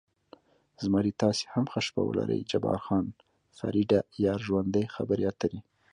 زمري: تاسې هم ښه شپه ولرئ، جبار خان: فرېډه، یار ژوندی، خبرې پاتې.